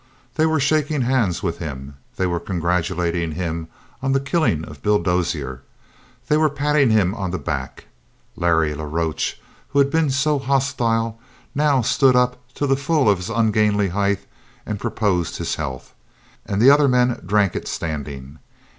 They were shaking hands with him. They were congratulating him on the killing of Bill Dozier. They were patting him on the back. Larry la Roche, who had been so hostile, now stood up to the full of his ungainly height and proposed his health. And the other men drank it standing.